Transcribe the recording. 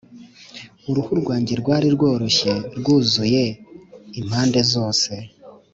uruhu rwanjye rwari rworoshye, rwuzuye impande zose.